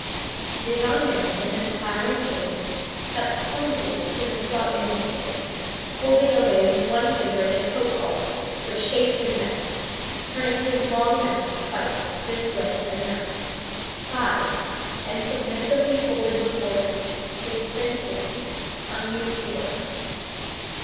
The young man in his clattering chains stepped clumsily to the spot indicated, holding away with one finger the coat collar which chafed his neck, turned his long neck twice this way and that, sighed, and submissively folded before him his thin hands, unused to work.